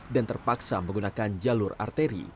dan terpaksa menggunakan jalur arteri